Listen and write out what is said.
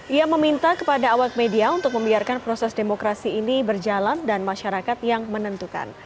ia meminta kepada awak media untuk membiarkan proses demokrasi ini berjalan dan masyarakat yang menentukan